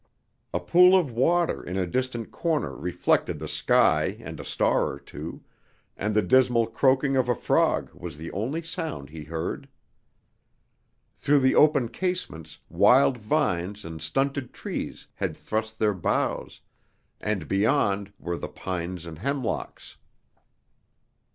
A pool of water in a distant corner reflected the sky and a star or two, and the dismal croaking of a frog was the only sound he heard. Through the open casements wild vines and stunted trees had thrust their boughs, and beyond were the pines and hemlocks.